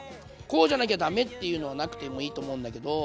こうじゃなきゃだめっていうのはなくてもいいと思うんだけど